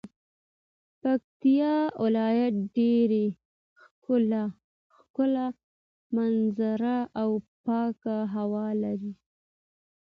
پکتيا ولايت ډيري ښايسته منظري او پاکه هوا لري